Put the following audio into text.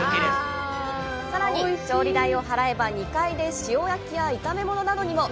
さらに、調理代を払えば、２階で塩焼きや、炒めものなどにも！